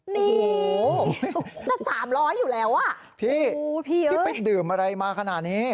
นี่จะสามร้อยอยู่แล้วอ่ะพี่พี่ไปดื่มอะไรมาขนาดนี้